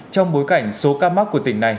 trong bối cảnh số ca mắc của tỉnh này